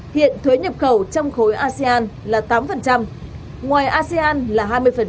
hiện thuế nhập khẩu trong khối asean là tám ngoài asean là hai mươi